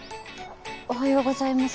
おはようございます。